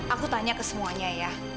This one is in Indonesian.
aku tanya ke semuanya ya